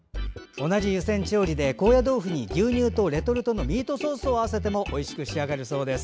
高野豆腐に牛乳とレトルトのミートソースを合わせてもおいしく仕上がるそうです。